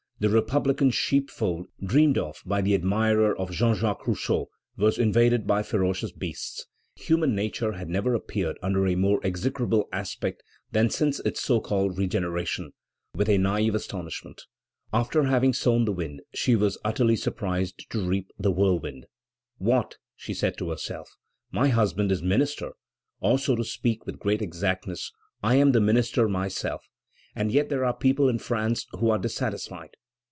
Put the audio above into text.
The republican sheepfold dreamed of by the admirer of Jean Jacques Rousseau was invaded by ferocious beasts. Human nature had never appeared under a more execrable aspect than since its so called regeneration. Madame Roland was filled with a naïve astonishment. After having sown the wind she was utterly surprised to reap the whirlwind. What! she said to herself, my husband is minister, or, to speak with great exactness, I am the minister myself, and yet there are people in France who are dissatisfied!